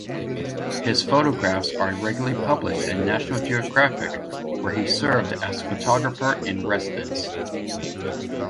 His photographs are regularly published in "National Geographic", where he served as photographer-in-residence.